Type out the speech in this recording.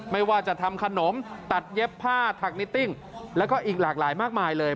ไม่ว่าจะทำขนมตัดเย็บผ้าถักนิตติ้งแล้วก็อีกหลากหลายมากมายเลย